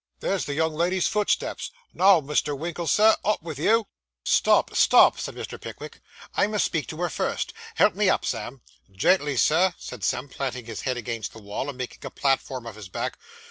'There's the young lady's footsteps. Now, Mr. Winkle, sir, up vith you.' 'Stop, stop!' said Mr. Pickwick, 'I must speak to her first. Help me up, Sam.' 'Gently, Sir,' said Sam, planting his head against the wall, and making a platform of his back.